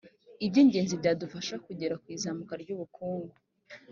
iby ingenzi byadufasha kugera ku izamuka ry ‘ubukungu.